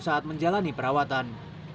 saat menjalani perawatan